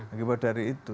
akibat dari itu